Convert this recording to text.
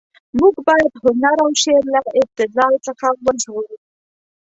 موږ باید هنر او شعر له ابتذال څخه وژغورو.